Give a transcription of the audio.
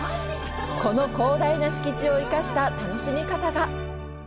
この広大な敷地を生かした楽しみ方が。